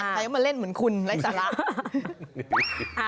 ใครก็มาเล่นเหมือนคุณไร้สาระ